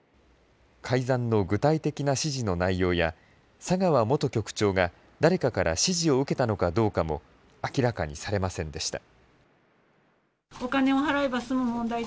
改ざんの具体的な指示の内容や、佐川元局長が誰かから指示を受けたのかどうかも明らかにされませんでした。